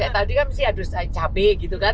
tadi kan mesti adu cabai gitu kan